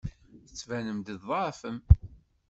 Tettbanem-d tḍeɛfem.